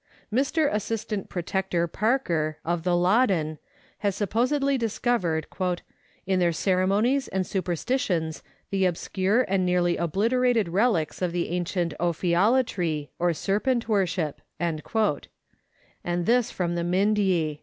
Mr. Assistant Protector Parker, of the Loddon, has supposedly discovered " in their ceremonies and superstitions the obscure and nearly obliterated relics of the ancient ophiolatry or serpent worship," and this from the Mindye.